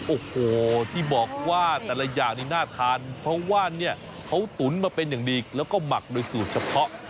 โอ้โหที่บอกว่าแต่ละอย่างนี้น่าทานเพราะว่าเนี่ยเขาตุ๋นมาเป็นอย่างดีแล้วก็หมักโดยสูตรเฉพาะ